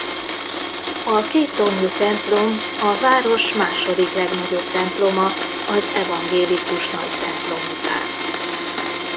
A kéttornyú templom a város második legnagyobb temploma az evangélikus nagytemplom után.